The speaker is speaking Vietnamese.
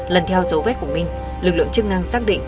lần theo dấu vết của minh lực lượng chức năng xác định